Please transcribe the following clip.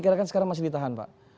karena kan sekarang masih ditahan pak